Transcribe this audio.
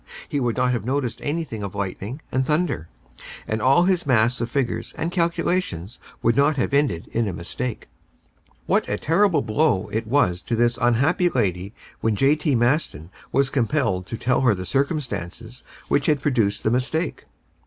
He would not have noticed anything of lightning and thunder, and all his mass of figures and calculations would not have ended in a mistake. What a terrible blow it was to this unhappy lady when J.T. Maston was compelled to tell her the circumstances which had produced the mistake!